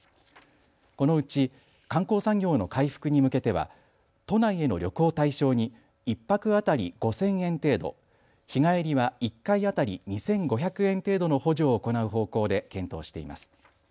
このうち観光産業の回復に向けては都内への旅行を対象に１泊当たり５０００円程度、日帰りは１回当たり２５００円程度の補助を行う方向で検討しています。